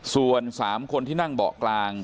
ส่วน๓คนที่นั่งเบาะกลาง